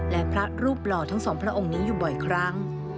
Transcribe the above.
และพระรูปหล่อทั้งสองพระองค์นี้อยู่บ่อยครั้ง